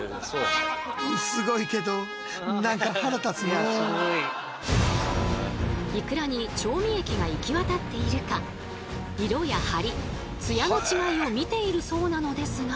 実はこのいくらに調味液が行き渡っているか色や張りツヤの違いを見ているそうなのですが。